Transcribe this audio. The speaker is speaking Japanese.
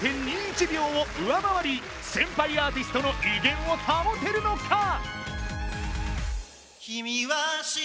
０．２１秒を上回り先輩アーティストの威厳を保てるのか？